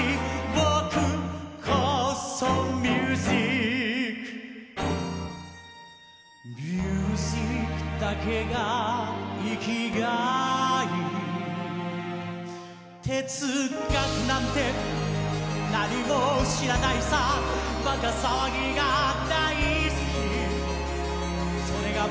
僕こそミュージックミュージックだけが生き甲斐哲学なんて何も知らないさばか騒ぎが大好きそれが僕なんだ